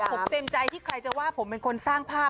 ผมเต็มใจที่ใครจะว่าผมเป็นคนสร้างภาพ